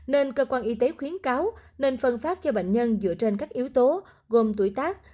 nên cơ quan y tế khuyến cáo nên phân phát cho bệnh nhân dựa trên các yếu tố gồm tuổi tác